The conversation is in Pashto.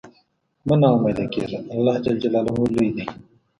مه نا امیده کېږه، الله لوی دی.